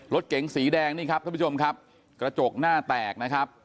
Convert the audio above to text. รถเก๋งสีแดงนี่ครับท่านผู้ชมครับกระจกหน้าแตกนะครับ